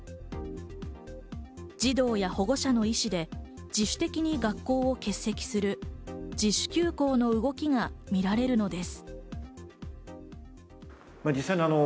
児童や保護者の意思で自主的に学校を欠席する自主休校の動きが見られるのです。